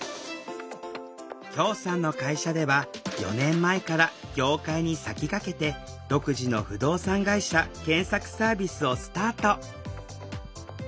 さんの会社では４年前から業界に先駆けて独自の不動産会社検索サービスをスタート